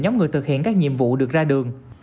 nhóm người thực hiện các nhiệm vụ được ra đường